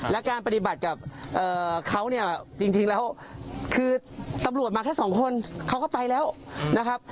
และการปฏิบัติกับเขาเนี่ยจริงแล้วคือตำรวจมาแค่สองคนเขาก็ไปแล้วนะครับ